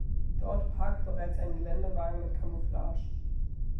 Dort parkt bereits ein Geländewagen mit Camouflage.